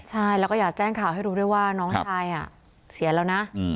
ใช่แล้วก็อยากแจ้งข่าวให้รู้ด้วยว่าน้องชายเสียแล้วนะ